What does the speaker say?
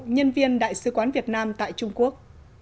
nhân viên đại sứ quán việt nam tại trung quốc